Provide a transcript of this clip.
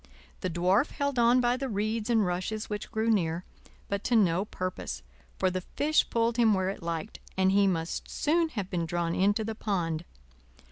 The Dwarf held on by the reeds and rushes which grew near; but to no purpose, for the fish pulled him where it liked, and he must soon have been drawn into the pond.